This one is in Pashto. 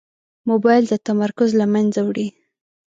موبایل د تمرکز له منځه وړي.